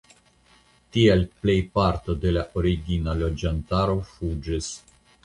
Tial plejparto de la origina loĝantaro fuĝis.